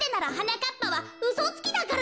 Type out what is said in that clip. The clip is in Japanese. かっぱはうそつきだからです。